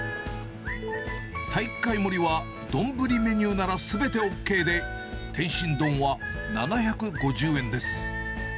体育会盛りは丼メニューならすべてＯＫで、天津丼は７５０円です。